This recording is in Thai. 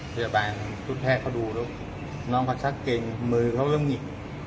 พยาบาลชุดแพทย์เขาดูแล้วน้องเขาชักเกรงมือเขาก็หงิก